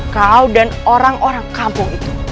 kau dan orang orang kampung itu